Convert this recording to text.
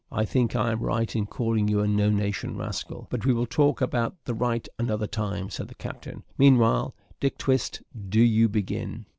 I think I am right in calling you a no nation rascal, but we will talk about the right another time," said the captain; "meanwhile, Dick Twist, do you begin."